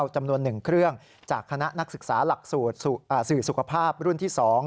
จำนวน๑เครื่องจากคณะนักศึกษาหลักสื่อสุขภาพรุ่นที่๒